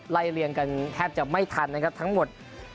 เลี่ยงกันแทบจะไม่ทันนะครับทั้งหมด